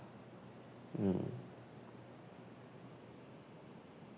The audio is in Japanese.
うん。